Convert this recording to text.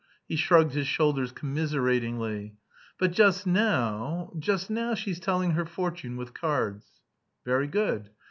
He shrugged his shoulders commiseratingly. "But just now... just now she's telling her fortune with cards...." "Very good.